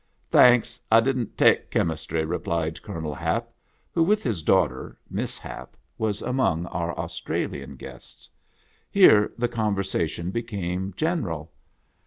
" Thanks. I did n't take chemistry," replied Colo nel Hap, who, with his daughter, Miss Hap, was among our Australian guests. Here the conversation became general.